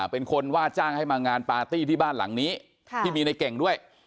เป็นคนว่าจ้างให้มางานปาร์ตี้ที่บ้านหลังนี้ที่มีในเก่งด้วย